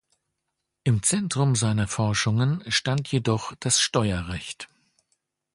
Im Zentrum seiner Forschungen stand jedoch das Steuerrecht.